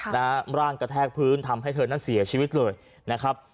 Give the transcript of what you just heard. นะฮะร่างกระแทกพื้นทำให้เธอนั้นเสียชีวิตเลยนะครับ